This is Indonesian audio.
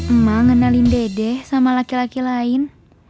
emang kenalin dede sama laki laki lain